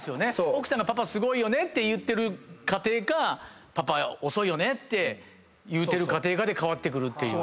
奥さんが「パパすごいよね」って言ってる家庭か「パパ遅いよね」って言うてる家庭かで変わってくるっていう。